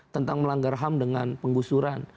tentang melanggar ham dengan penggusuran